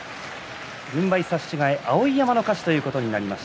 軍配差し違え碧山の勝ちということになります。